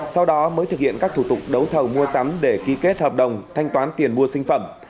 sau đó mới thực hiện các thủ tục đấu thầu mua sắm để ký kết hợp đồng thanh toán tiền mua sinh phẩm